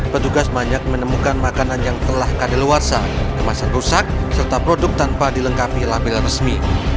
petugas banyak menemukan makanan yang telah kadeluarsa kemasan rusak serta produk tanpa dilengkapi label resmi